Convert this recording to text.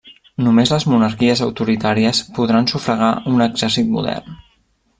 Només les monarquies autoritàries podran sufragar un exèrcit modern.